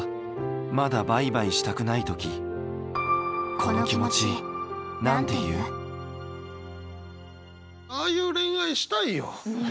まだバイバイしたくない時ああいう恋愛したいよ。